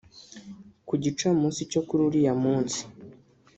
Ku gicamunsi cyo kuri uriya munsi